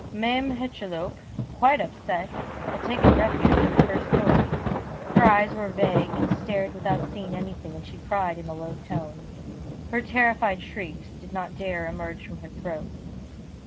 Mame Hucheloup, quite upset, had taken refuge in the first story. Her eyes were vague, and stared without seeing anything, and she cried in a low tone. Her terrified shrieks did not dare to emerge from her throat.